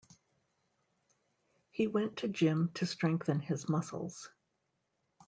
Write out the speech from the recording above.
He went to gym to strengthen his muscles.